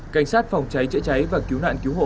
cảnh sát phòng cháy chữa cháy và cứu nạn cứu hộ